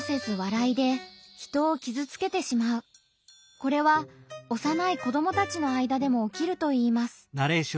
これは幼い子どもたちの間でもおきるといいます。